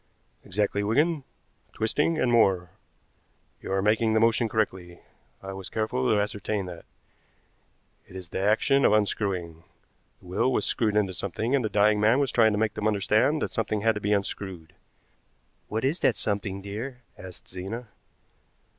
"Exactly, Wigan, twisting, and more. You are making the motion correctly, I was careful to ascertain that. It is the action of unscrewing. The will was screwed into something, and the dying man was trying to make them understand that something had to be unscrewed." "What is that something, dear?" asked Zena.